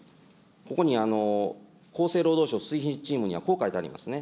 ここに厚生労働省推進チームには、こう書いてありますね。